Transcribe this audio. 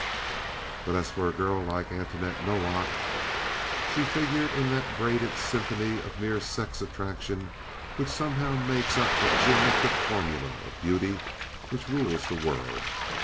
But as for a girl like Antoinette Nowak, she figured in that braided symphony of mere sex attraction which somehow makes up that geometric formula of beauty which rules the world.